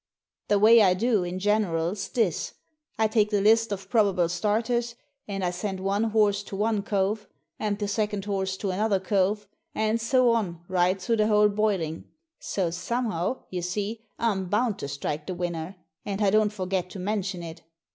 The way I do in general's this. I take the list of probable starters, and I send one horse to one cove, and the second horse to another cove, and so on right through the whole boiling. So somehow, you see, I'm bound to strike the winner, and I don't forget to mention it!